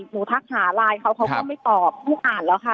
ทักหาไลน์เขาเขาก็ไม่ตอบลูกอ่านแล้วค่ะ